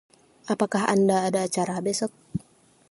Apakah Anda ada acara besok?